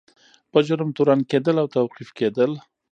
په جرم تورن کیدل او توقیف کیدل.